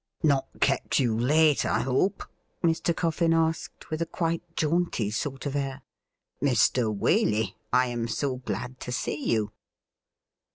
' Not kept you late, I hope ?' Mr. Coffin asked, with a quite jaunty sort of air. ' Mr. Waley, I am so glad to see you.'